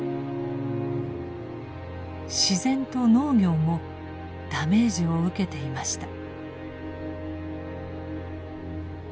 自然と農業もダメージを受けていました。